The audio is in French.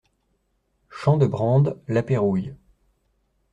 Champs de Brande, La Pérouille